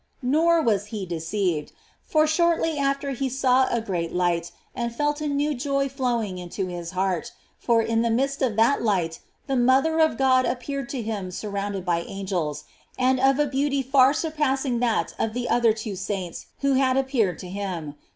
Nor was he deceived, for shortly after he saw a great light and felt a new joy flowing into his heart, for in the midst of that light the moth er of God appeared to him surrounded by angels, and of a beauty far surpassing that of the other two saints who had appeared to him.